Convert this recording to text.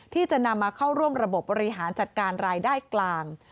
ที่จะนำมาเข้าร่วมระบบบบริหารจัดการรายได้กลาง